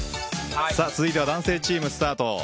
続いては男性チームスタート。